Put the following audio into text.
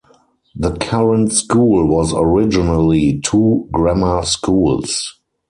The current school was originally two grammar schools.